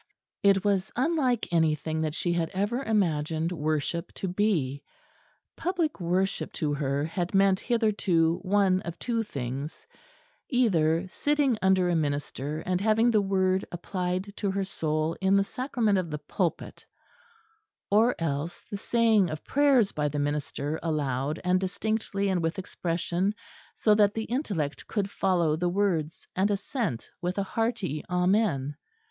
It was unlike anything that she had ever imagined worship to be. Public worship to her had meant hitherto one of two things either sitting under a minister and having the word applied to her soul in the sacrament of the pulpit; or else the saying of prayers by the minister aloud and distinctly and with expression, so that the intellect could follow the words, and assent with a hearty Amen.